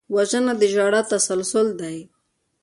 وژنه د ژړا تسلسل دی